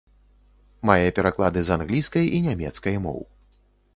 Мае пераклады з англійскай і нямецкай моў.